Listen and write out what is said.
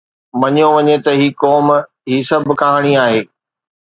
مڃيو وڃي ته هي قوم هي سڀ ڪهاڻي آهي